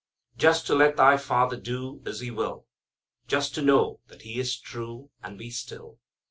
"Just to let thy Father do As He will. Just to know that He is true, And be still.